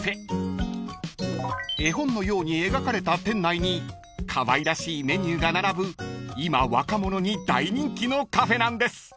［絵本のように描かれた店内にかわいらしいメニューが並ぶ今若者に大人気のカフェなんです］